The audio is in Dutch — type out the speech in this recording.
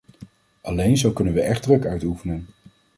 Alleen zo kunnen we echt druk uitoefenen.